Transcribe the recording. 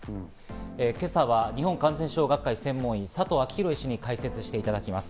今朝は日本感染症学会専門医の佐藤昭裕医師に解説していただきます。